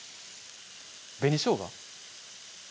紅しょうが？